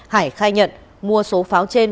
hải khai nhận mua số pháo trên